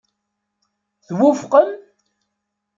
Twufqem?